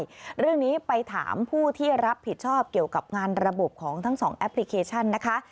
เรื่องนี้ไปถามผู้ที่รับผิดชอบเกี่ยวกับงานระบบของทั้งสองแอปพลิเคชันนะคะ